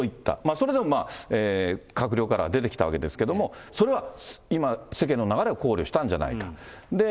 それでもまだ閣僚からは出てきたわけですけれども、それは今、世間の流れを考慮したんじゃないかと。